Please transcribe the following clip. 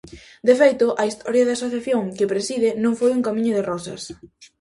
De feito a historia da asociación que preside non foi un camiño de rosas.